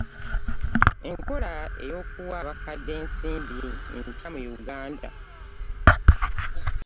Enkola y’okuwa abakadde ensimbi mpya mu Uganda.